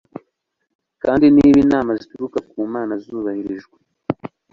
Kandi niba inama zituruka ku Mana zubahirijwe